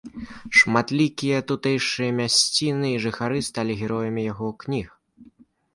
Шматлікія тутэйшыя мясціны і жыхары сталі героямі яго кніг.